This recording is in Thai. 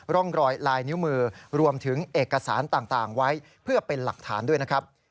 ร่องรอยลายนิ้วมือรวมถึงเอกสารต่างไว้เพื่อเป็นหลักฐานด้วยนะครับ